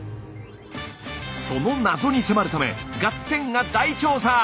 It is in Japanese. その謎に迫るため「ガッテン！」が大調査！